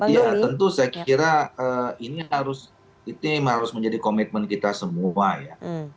ya tentu saya kira ini harus menjadi komitmen kita semua ya